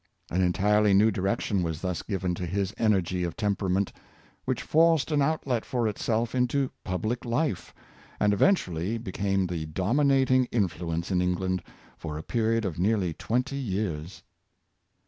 An entirely new direction was thus given to his energy of temperament, which forced an outlet for itself into public life, and eventually became the dominating influence in England for a period of nearly twenty years.